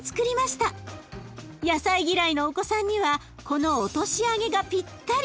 野菜嫌いのお子さんにはこの落とし揚げがピッタリ。